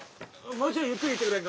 もうちょいゆっくり行ってくれんか。